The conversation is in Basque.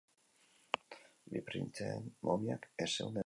Bi printzeen momiak ez zeuden han.